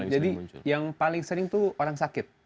jadi yang paling sering tuh orang sakit